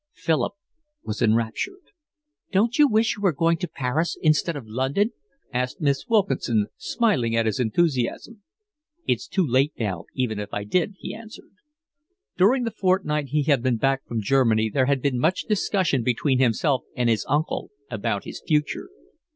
Philip was enraptured. "Don't you wish you were going to Paris instead of London?" asked Miss Wilkinson, smiling at his enthusiasm. "It's too late now even if I did," he answered. During the fortnight he had been back from Germany there had been much discussion between himself and his uncle about his future.